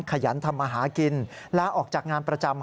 ขยันทำมาหากินลาออกจากงานประจำ